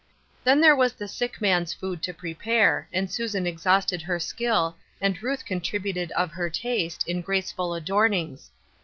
Then there was the sick man's food to pre pare, and Susan exhausted her skill, and Ruth contributed of her taste, in gracefid adornings.